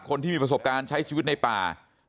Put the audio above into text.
คนที่มีประสบการณ์ใช้ชีวิตในป่า